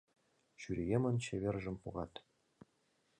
Чуриемын чевержым погат.